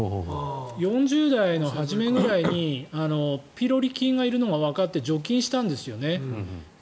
４０代の初めぐらいにピロリ菌がいるのがわかって除菌したんですよね。